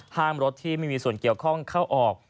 รถที่ไม่มีส่วนเกี่ยวข้องเข้าออก